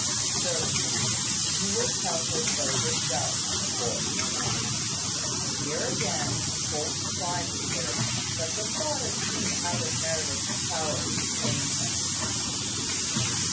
"Certainly. You will tell her so yourself, of course." Here again Holt's pride was hurt; but the thought of being out of Meredith's power sustained him.